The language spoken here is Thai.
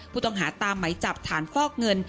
ผู้ต้องหาตามไหมจับฐานฟอกเงิน